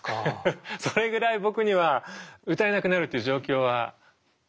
それぐらい僕には歌えなくなるっていう状況は嫌だったんですよ。